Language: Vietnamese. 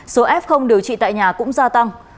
số f điều trị tại nhà cũng gia tăng